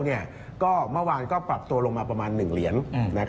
เมื่อวานก็ปรับตัวลงมาประมาณ๑เหรียญ